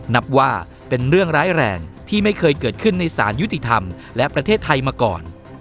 นับว่าเป็นเรื่องร้ายแรงที่ไม่เคยเกิดขึ้นในสารยุติธรรมและประเทศไทยมาก่อน